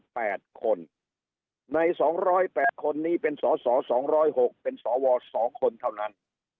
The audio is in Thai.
แปดคนในสองร้อยแปดคนนี้เป็นสอสอสองร้อยหกเป็นสวสองคนเท่านั้น